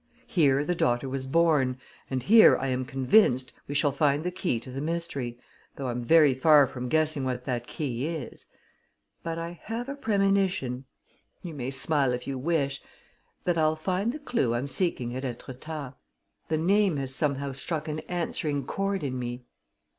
Here, the daughter was born, and here, I am convinced, we shall find the key to the mystery, though I'm very far from guessing what that key is. But I have a premonition you may smile if you wish that I'll find the clew I'm seeking at Etretat. The name has somehow struck an answering chord in me."